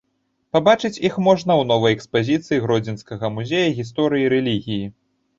Пабачыць іх можна ў новай экспазіцыі гродзенскага музея гісторыі рэлігіі.